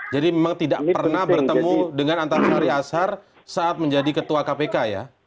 jadi memang tidak pernah bertemu dengan antarsari ashar saat menjadi ketua kpk ya